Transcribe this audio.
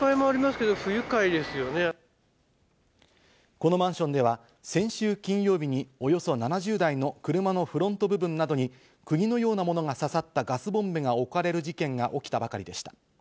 このマンションでは、先週金曜日におよそ７０台の車のフロント部分などに釘のようなものが刺さったガスボンベが置かれる事件が起きたばかりでした。